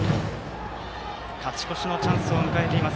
勝ち越しのチャンスを迎えています